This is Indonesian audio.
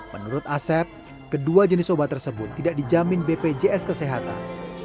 menurut asep kedua jenis obat tersebut tidak dijamin bpjs kesehatan